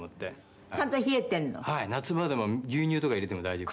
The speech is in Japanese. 夏場でも牛乳とか入れても大丈夫」